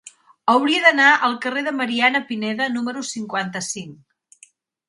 Hauria d'anar al carrer de Mariana Pineda número cinquanta-cinc.